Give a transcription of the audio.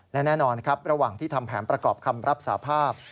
และแน่นอนครับระหว่างที่ทำแผนประกอบคำรับสาภาพ